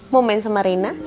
mau main sama reina